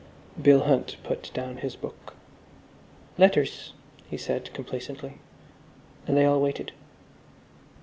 Bill Hunt put down his book. "Letters," he said complacently, and they all waited.